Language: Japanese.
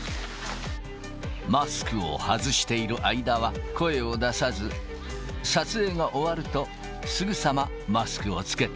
マスクを外している間は声を出さず、撮影が終わると、すぐさまマスクを着けた。